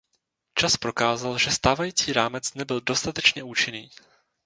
Čas prokázal, že stávající rámec nebyl dostatečně účinný.